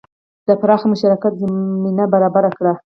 د پراخ مشارکت زمینه برابره کړه.